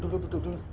ya udah duduk dulu